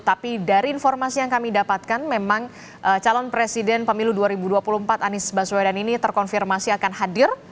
tapi dari informasi yang kami dapatkan memang calon presiden pemilu dua ribu dua puluh empat anies baswedan ini terkonfirmasi akan hadir